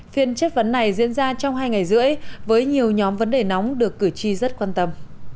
phiên chất vấn này diễn ra trong hai ngày rưỡi với nhiều nhóm vấn đề nóng được cử tri rất quan tâm